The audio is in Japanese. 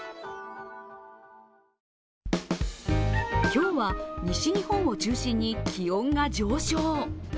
今日は西日本を中心に気温が上昇。